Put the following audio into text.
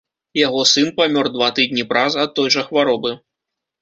Яго сын памёр два тыдні праз ад той жа хваробы.